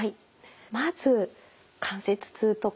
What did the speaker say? まず関節痛とか。